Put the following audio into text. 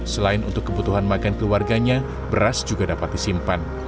selain untuk kebutuhan makan keluarganya beras juga dapat disimpan